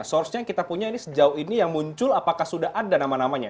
source nya yang kita punya ini sejauh ini yang muncul apakah sudah ada nama namanya